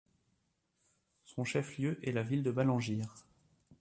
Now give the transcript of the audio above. Son chef-lieu est la ville de Balangir.